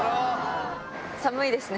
寒いですね。